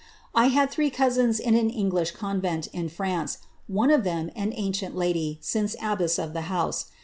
^ I had three cousins in an English convent, in France, one of them i an ancient lady, since abbess of the house.